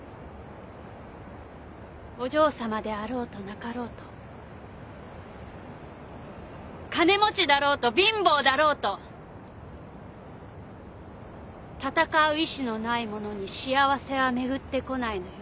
お嬢さまであろうとなかろうと金持ちだろうと貧乏だろうと戦う意思のない者に幸せは巡ってこないのよ。